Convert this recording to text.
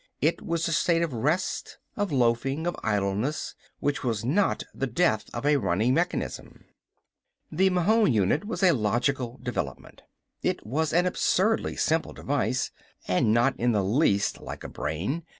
It was a state of rest, of loafing, of idleness, which was not the death of a running mechanism. The Mahon unit was a logical development. It was an absurdly simple device, and not in the least like a brain.